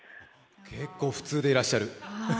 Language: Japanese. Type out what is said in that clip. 結構普通でいらっしゃる。